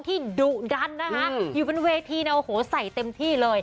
ที่ดูดันนะคะอยู่เป็นเวทีนะโอเฮ้วใส่เต็มที่เลย